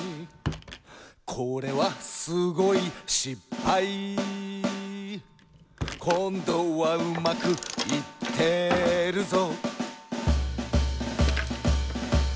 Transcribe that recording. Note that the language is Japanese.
「これはすごいしっぱい」「こんどはうまくいってるぞ」